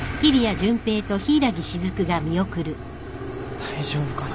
大丈夫かな。